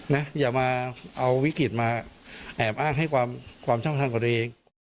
นะอย่ามาเอาวิกฤตมาแอบอ้างให้ความความช่องทันกว่าตัวเอง